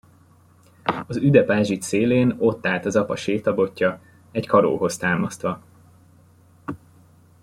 Az üde pázsit szélén ott állt az apa sétabotja, egy karóhoz támasztva.